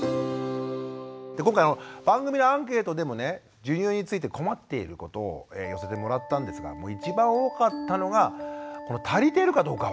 今回番組のアンケートでもね「授乳について困っていること」を寄せてもらったんですが一番多かったのが足りてるかどうか分かんないという。